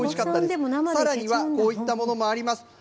さらにはこういったものもあります。